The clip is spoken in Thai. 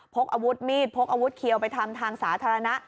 พกอาวุธมีดพกอาวุธเขียวไปทำทางสาธารณะ